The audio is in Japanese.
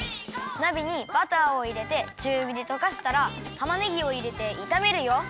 なべにバターをいれてちゅうびでとかしたらたまねぎをいれていためるよ。